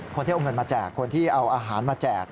คนที่เอาเงินมาแจกคนที่เอาอาหารมาแจก